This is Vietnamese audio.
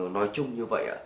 nói chung như vậy